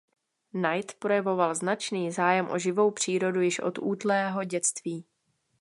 Knight projevoval značný zájem o živou přírodu již od útlého dětství.